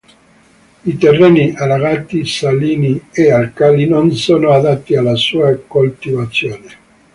I terreni allagati, salini e alcali non sono adatti alla sua coltivazione.